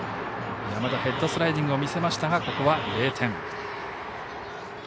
山田、ヘッドスライディング見せましたがここは０点。